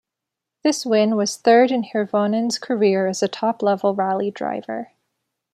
This win was third in Hirvonen's career as a top level rally driver.